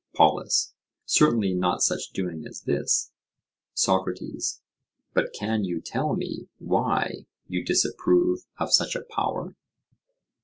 POLUS: Certainly not such doing as this. SOCRATES: But can you tell me why you disapprove of such a power?